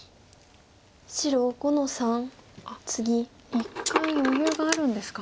１回余裕があるんですか。